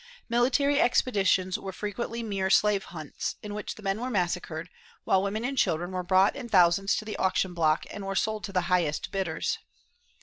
Military expeditions were frequently mere slave hunts, in which the men were massacred, while women and children were brought in thousands to the auction block and were sold to the highest bidders.